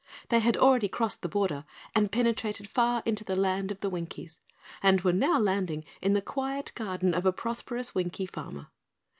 They had already crossed the border and penetrated far into the Land of the Winkies, and were now landing in the quiet garden of a prosperous Winkie farmer.